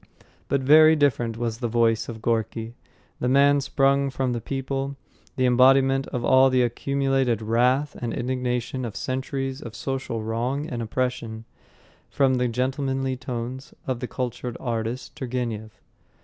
But very different was the voice of Gorky, the man sprung from the people, the embodiment of all the accumulated wrath and indignation of centuries of social wrong and oppression, from the gentlemanly tones of the cultured artist Turgenev.